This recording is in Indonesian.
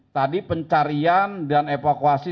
tadi pencarian dan evakuasi